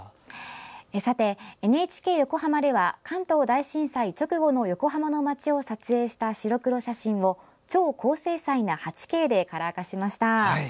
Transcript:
さて、ＮＨＫ横浜では関東大震災直後の横浜の街を撮影した白黒写真を超高精細な８Ｋでカラー化しました。